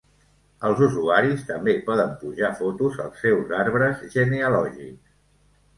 Els usuaris també poden pujar fotos als seus arbres genealògics.